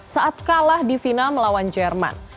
saat kalah di final melawan jerman